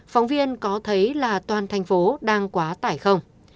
phóng viên có thấy là toàn thành phố đang quá tải không